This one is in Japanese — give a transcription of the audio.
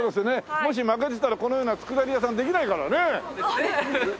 もし負けてたらこのような佃煮屋さんできないからね。